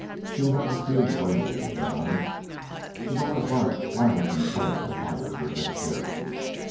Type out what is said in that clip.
She would have a feud blazing in a moment. With all his heart Riley Sinclair admired her dexterity.